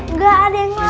nggak ada yang lain